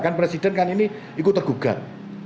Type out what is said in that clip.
kan presiden kan ini ikut tergugat